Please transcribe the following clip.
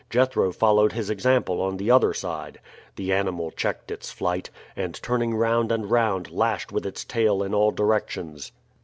Jethro followed his example on the other side. The animal checked its flight, and turning round and round lashed with its tail in all directions.